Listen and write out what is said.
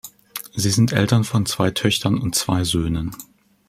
Sie sind Eltern von zwei Töchtern und zwei Söhnen.